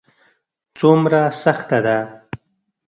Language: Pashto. څومره سخته ده ؟